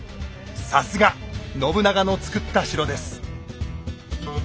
さすが信長の造った城です。